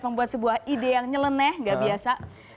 membuat sebuah ide yang nyeleneh gak biasa